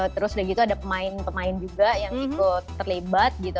terus udah gitu ada pemain pemain juga yang ikut terlibat gitu